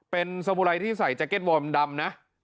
เป็นสมุไรที่ใส่แจ็ตวอร์มดำนะ